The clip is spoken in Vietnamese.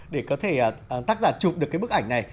để có thể tác giả chụp được cái bức ảnh này